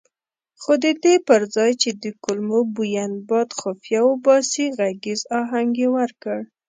خو ددې پرځای چې د کلمو بوین باد خفیه وباسي غږیز اهنګ یې ورکړ.